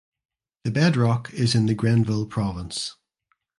The bedrock is in the Grenville Province.